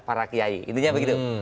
para kiai intinya begitu